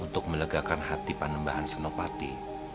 untuk melegakan hati penembahan sunupati